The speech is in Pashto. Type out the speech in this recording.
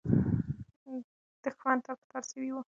دښمنان تار په تار سوي وو.